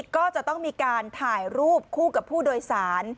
ก็จะต้องมีการถ่ายรูปคู่กับผู้โดยสาร